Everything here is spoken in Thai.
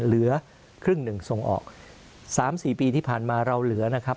เหลือครึ่งหนึ่งส่งออก๓๔ปีที่ผ่านมาเราเหลือนะครับ